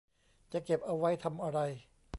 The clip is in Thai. จะเก็บเอาไว้ทำอะไร